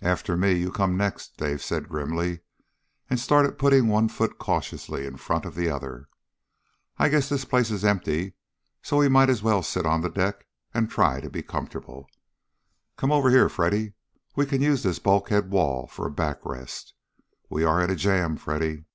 "After me, you come next," Dave said grimly, and started putting one foot cautiously in front of the other. "I guess this place is empty, so we might as well sit on the deck and try to be comfortable. Come on over here, Freddy. We can use this bulkhead wall for a back rest. We are in a jam, Freddy!"